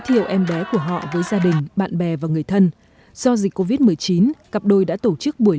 thiệu em bé của họ với gia đình bạn bè và người thân do dịch covid một mươi chín cặp đôi đã tổ chức buổi